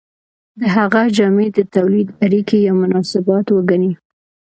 د هغه جامې د تولید اړیکې یا مناسبات وګڼئ.